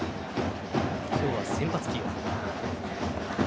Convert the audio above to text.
今日は先発起用。